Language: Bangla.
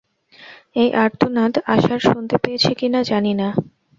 এই আর্তনাদ আশার শুনতে পেয়েছে কিনা জানি না।